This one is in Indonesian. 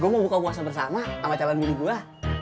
gue mau buka kuasa bersama sama calon bini gua